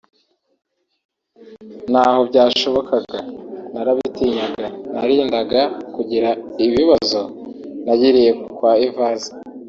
naho byashobokaga narabitinyaga nirindaga kugira ibibazo nagiriye kwa Evase